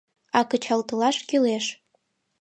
А кычалтылаш кӱлеш.